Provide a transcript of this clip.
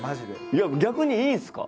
いや逆にいいんすか？